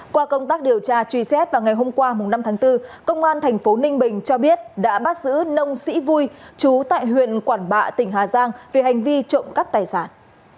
qua công tác điều tra truy xét vào ngày hôm qua năm tháng bốn công an thành phố ninh bình cho biết đã bắt giữ nông sĩ vui chú tại huyện quản bạ tỉnh hà giang vì hành vi trộm cắp tài sản